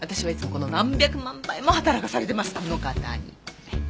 この方に。